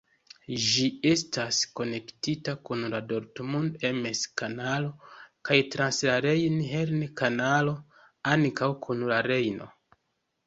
Ĝi estas konektita kun la Dortmund-Ems-Kanalo kaj trans la Rejn-Herne-Kanalo ankaŭ kun la Rejno.